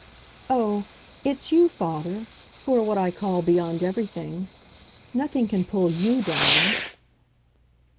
"Oh, it's you, father, who are what I call beyond everything. Nothing can pull YOU down."